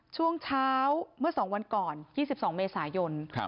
ช่วงเช้าเมื่อ๒วันก่อน๒๒เมษายน